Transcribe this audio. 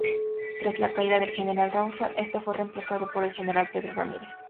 Tras la caída del general Rawson, este fue reemplazado por el general Pedro Ramírez.